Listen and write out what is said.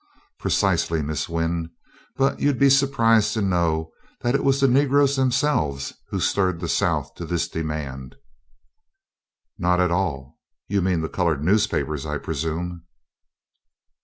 "Precisely, Miss Wynn. But you'd be surprised to know that it was the Negroes themselves who stirred the South to this demand." "Not at all; you mean the colored newspapers, I presume."